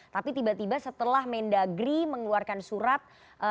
tapi tiba tiba setelah mendagri mengeluarkan surat